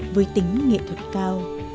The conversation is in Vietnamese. với tính nghệ thuật cao